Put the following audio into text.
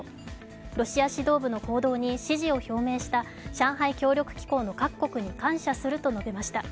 ロシア指導部の行動に支持を表明した上海協力機構の各国に感謝すると述べました。